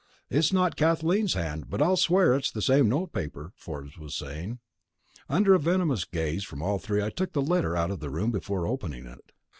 "It's not Kathleen's hand, but I'll swear it's the same notepaper," Forbes was saying. Under a venomous gaze from all three I took the letter out of the room before opening it.